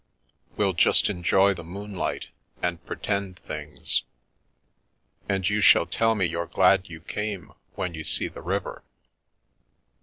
We'll just enjoy the moonlight and pretend things, and you shall tell me you're glad you came when you se* the river.